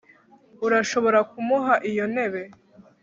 urashobora kumuha iyo ntebe